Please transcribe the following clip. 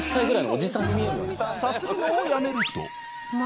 さするのをやめると。